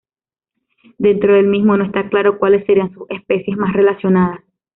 Dentro del mismo, no está claro cuáles serían sus especies más relacionadas.